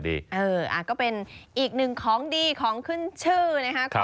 ก็เป็นอีกหนึ่งของดีของขึ้นชื่อนะครับ